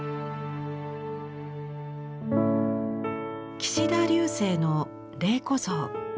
岸田劉生の「麗子像」。